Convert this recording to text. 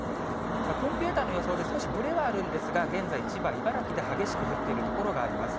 コンピューターの予想で少しぶれはあるんですが、現在、千葉、茨城で激しく降っている所があります。